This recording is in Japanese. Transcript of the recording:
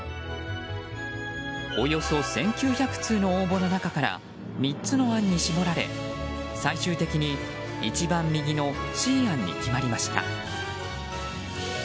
およそ１９００通の応募の中から３つの案に絞られ最終的に一番右のＣ案に決まりました。